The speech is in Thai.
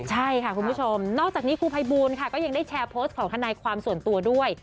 ใช่ค่ะคุณผู้ชมนอกจากนี้ครูภัยบูลค่ะก็ยังได้แชร์โพสต์ของทนายความส่วนตัวด้วย